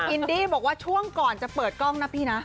อินดี้บอกว่าช่วงก่อนจะเปิดกล้องนะพี่นะ